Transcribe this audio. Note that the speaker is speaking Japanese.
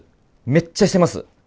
めっちゃしてます！